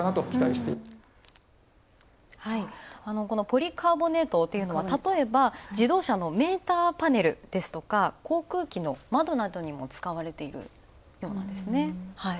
このポリカーボネートというのは例えば、自動車のメーターパネルですとか航空機の窓などにも使われているようなんですね。